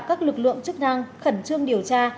các lực lượng chức năng khẩn trương điều tra